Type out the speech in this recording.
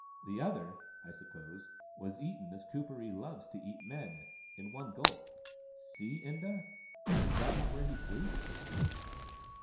" The other, I suppose, was eaten as Kuperee loves to eat men, in one gulp. See, Inda— is not that where he sleeps